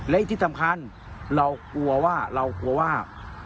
และที่ที่สำคัญเรากลัวว่า